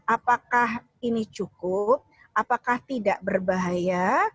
apakah ini cukup apakah tidak berbahaya